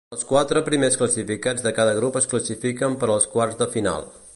Els quatre primers classificats de cada grup es classifiquen per als quarts de final.